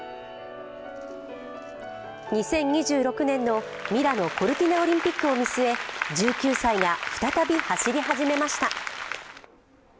２０２６年のミラノ・コルティナオリンピックを見据え、１９歳が再び走り始めました。